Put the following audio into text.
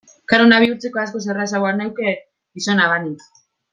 Kanona bihurtzeko askoz errazagoa nuke gizona banintz.